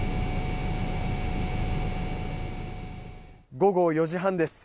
午後４時半です。